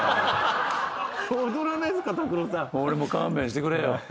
俺もう勘弁してくれよ。